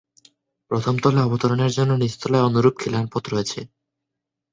প্রথম তলায় অবতরণের জন্য নিচতলায় অনুরূপ খিলানপথ রয়েছে।